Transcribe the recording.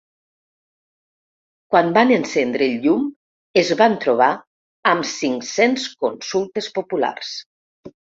Quan van encendre el llum es van trobar amb cinc-cents consultes populars.